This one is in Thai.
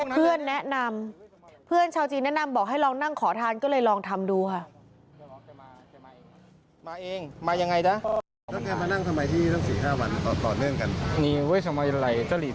เพื่อนแนะนำเพื่อนชาวจีนแนะนำบอกให้ลองนั่งขอทานก็เลยลองทำดูค่ะ